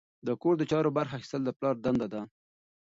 د کور د چارو برخه اخیستل د پلار دنده ده.